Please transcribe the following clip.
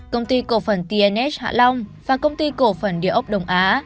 công ty cổ phần tnh hạ long và công ty cổ phần điều ốc đông á